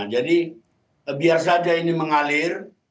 jadi biar saja ini mengalir